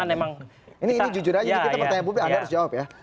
memang ini jujur aja kita pertanyaan publik anda harus jawab ya